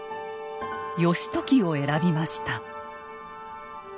義時を選びました。